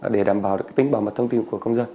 để đảm bảo được tính bảo mật thông tin của công dân